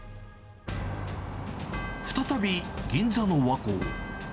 再び、銀座の和光。